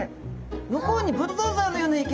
向こうにブルドーザーのような生き物が！